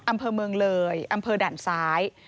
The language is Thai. อำเภอเมืองเลยอำเภอด่านซ้าย